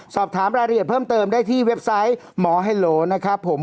สอบถามรายละเอียดเพิ่มเติมได้ที่เว็บไซต์หมอไฮโลนะครับผม